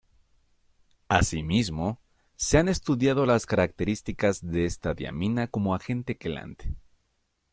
Asimismo, se han estudiado las características de esta diamina como agente quelante.